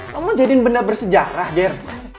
kamu mau jadiin benda bersejarah ger